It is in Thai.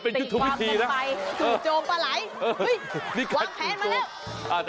เป็นยุคทุกวิธีนะ